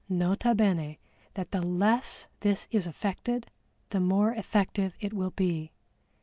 Nota bene that the less this is affected the more effective it will be.